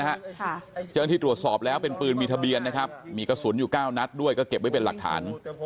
เจ้าหน้าที่ตรวจสอบแล้วเป็นปืนมีทะเบียนนะครับมีกระสุนอยู่๙นัดด้วยก็เก็บไว้เป็นหลักฐาน